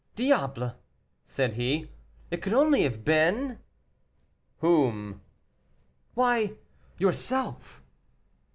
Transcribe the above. "Diable!" said he, "it could only have been " "Whom?" "Why, yourself."